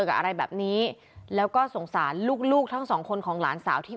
กับอะไรแบบนี้แล้วก็สงสารลูกลูกทั้งสองคนของหลานสาวที่